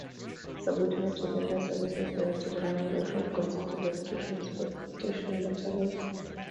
Subordinate to the Rear Services General Directorate, the troop consisted of two transportation battalions.